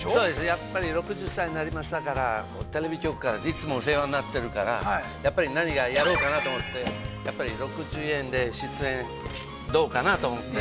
やっぱり６０歳になりましたからテレビ局から、いつもお世話になってるから、やっぱり何かやろうかなと思って６０円で出演、どうかなと思って。